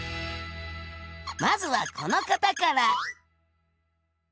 まずはこの方から。